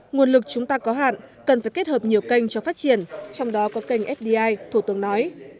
nguồn lực chúng ta có hạn cần phải kết hợp nhiều kênh cho phát triển trong đó có kênh fdi thủ tướng nói